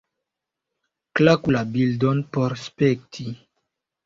Klaku la bildon por spekti.